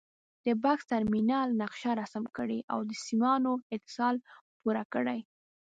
د بکس ټرمینل نقشه رسم کړئ او د سیمانو اتصال پوره کړئ.